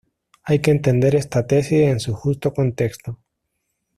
Hay que entender esta tesis en su justo contexto.